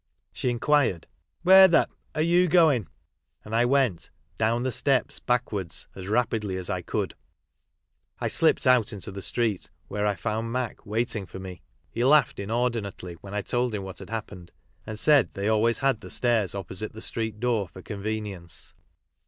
— She inquired, " Where the are you goin' ?" and I went — down the steps backwards as rapidly as I could. I slipped out into the street, where I found Mac waiting for me. He laughed inordinately when I told him what had happened, and said they always had the stairs opposite the street door for convenience.